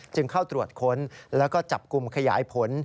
เข้าตรวจค้นแล้วก็จับกลุ่มขยายผล